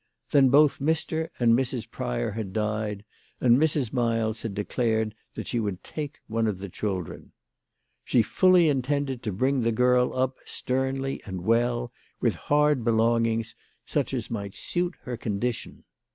Then both Mr. and Mrs. Pryor had died, and Mrs. Miles had declared that she would take one of the children. She fully intended to bring the girl up sternly and well, with hard belongings, such as might suit her condition.